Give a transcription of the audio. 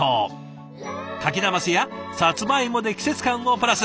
柿なますやさつまいもで季節感をプラス。